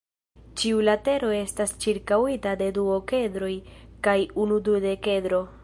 Ĉiu latero estas ĉirkaŭita de du okedroj kaj unu dudekedro.